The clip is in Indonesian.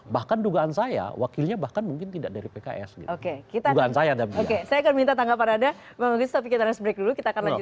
bahkan dugaan saya wakilnya bahkan mungkin tidak dari pks